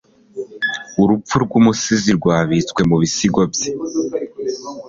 Urupfu rw'umusizi rwabitswe mu bisigo bye.